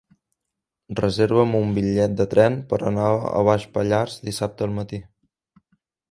Reserva'm un bitllet de tren per anar a Baix Pallars dissabte al matí.